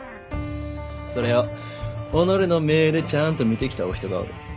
それを己の目でちゃあんと見てきたお人がおる。